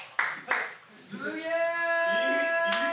・すげえ！